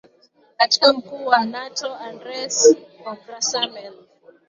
katibu mkuu wa nato andes forgrasmel